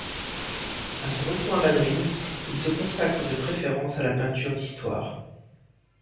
À son retour à Madrid, il se consacre de préférence à la peinture d’histoire.